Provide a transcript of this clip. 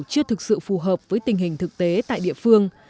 chưa thực sự phù hợp với tình hình thực tế tại địa phương